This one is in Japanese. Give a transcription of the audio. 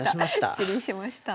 失礼しました。